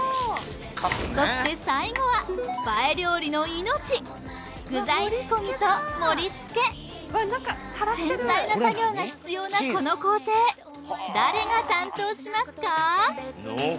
そして最後は映え料理の命具材仕込みと盛り付け繊細な作業が必要なこの工程誰が担当しますか？